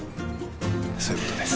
そういうことです。